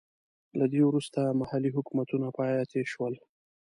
له دې وروسته محلي حکومتونه پاتې شول.